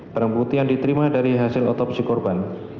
barang bukti yang diterima dari hasil otopsi korban